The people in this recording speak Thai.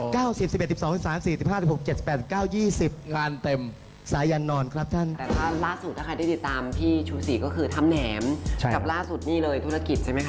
ก็คือทำแหนมกับล่าสุดที่ที่นี่เลยธุรกิจใช่ไหมคะ